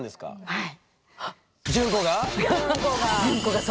はい。